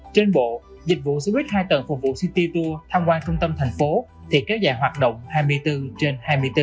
trên bộ dịch vụ xe buýt hai tầng phục vụ city tour tham quan trung tâm thành phố thì kéo dài hoạt động hai mươi bốn trên hai mươi bốn